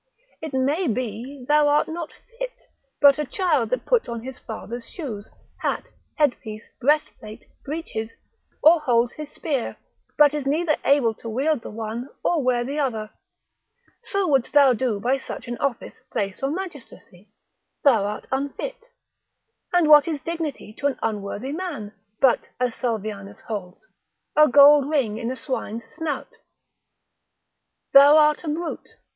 It may be thou art not fit; but a child that puts on his father's shoes, hat, headpiece, breastplate, breeches, or holds his spear, but is neither able to wield the one, or wear the other; so wouldst thou do by such an office, place, or magistracy: thou art unfit: And what is dignity to an unworthy man, but (as Salvianus holds) a gold ring in a swine's snout? Thou art a brute.